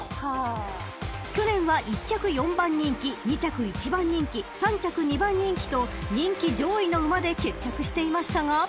［去年は１着４番人気２着１番人気３着２番人気と人気上位の馬で決着していましたが］